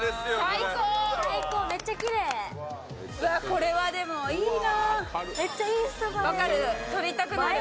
これはでもいいな。